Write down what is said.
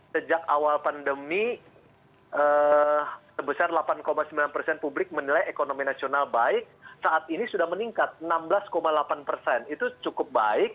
sejak awal pandemi sebesar delapan sembilan persen publik menilai ekonomi nasional baik saat ini sudah meningkat enam belas delapan persen itu cukup baik